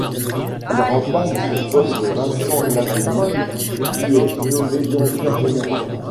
Il remplace à ce poste Vincent Lavenu qui est nommé directeur général.